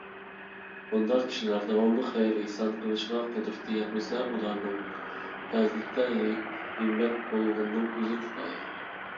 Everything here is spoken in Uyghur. بۇنداق كىشىلەر داۋاملىق خەير - ئېھسان قىلىشىغا قۇدرىتى يەتمىسە، ئۇلارنىڭ پەزىلىتىدە ھىممەت بولغىنىنىڭ ئۆزى كۇپايە.